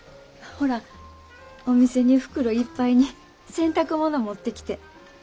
ほらお店に袋いっぱいに洗濯物持ってきて。